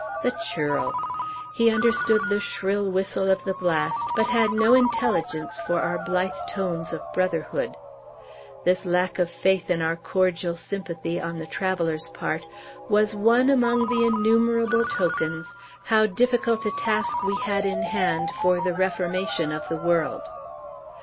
The churl! He understood the shrill whistle of the blast, but had no intelligence for our blithe tones of brotherhood. This lack of faith in our cordial sympathy, on the traveller's part, was one among the innumerable tokens how difficult a task we had in hand for the reformation of the world.